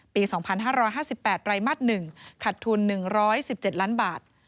ปี๒๕๕๘ไรมาส๑ขัดทุน๑๑๗ล้านบาท